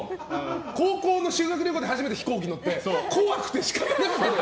高校の修学旅行で初めて飛行機乗って怖くて仕方ない。